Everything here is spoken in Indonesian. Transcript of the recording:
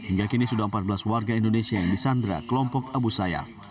hingga kini sudah empat belas warga indonesia yang disandra kelompok abu sayyaf